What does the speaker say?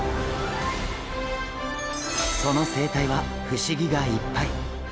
その生態は不思議がいっぱい。